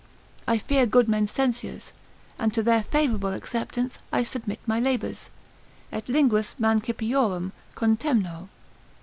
I fear good men's censures, and to their favourable acceptance I submit my labours, ———et linguas mancipiorum Contemno.